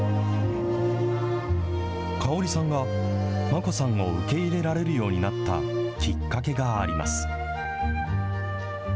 香織さんがマコさんを受け入れられるようになったきっかけがあります。